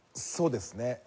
そうですね。